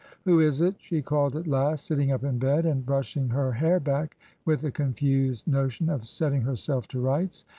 Who is it ?" she called at last, sitting up in bed, and brushing her hair back, with a confused notion of setting herself to rights.